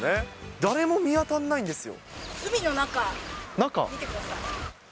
誰も見当たんないんですよ。